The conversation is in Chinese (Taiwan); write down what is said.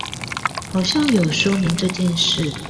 好像有說明這件事